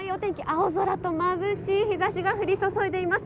青空とまぶしい日ざしが降り注いでいます。